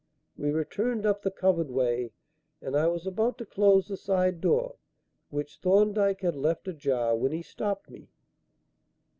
We returned up the covered way and I was about to close the side door, which Thorndyke had left ajar, when he stopped me.